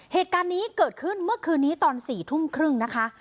เหตุการณ์นี้เกิดขึ้นเมื่อคืนนี้ตอน๔ทุ่มครึ่งนะคะ